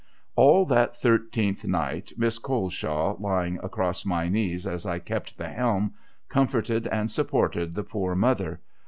All that thirteenth night. Miss Coleshaw, lying across my knees as I kept the helm, comforted and supported the poor mother.